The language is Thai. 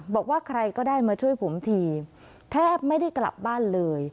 บอกว่าใครก็ได้มาช่วยผมทีแทบไม่ได้กลับบ้านเลย